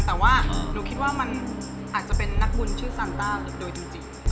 แต่ว่าหนูคิดว่ามันอาจจะเป็นนักบุญชื่อซานต้าโดยจริง